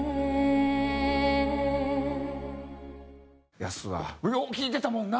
ヤスはよう聴いてたもんな。